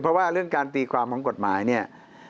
เพราะว่าเรื่องการตีความของกฎหมายเนี่ย